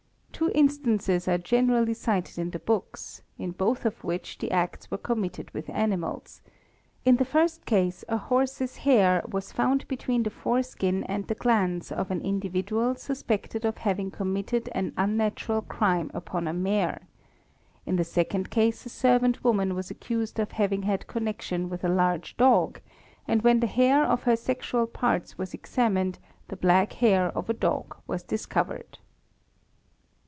'T'wo instances are generally cited in the books, in both of which the acts were committed with animals; in the first case a horse's hair was found between the fore skin and the glans of an individual sus _ pected of having committed an unnatural crime upon a mare; in the second case a servant woman was accused of having had connection with a large dog and when the hair of her sexual parts was examined the black hair of a dog was discovered.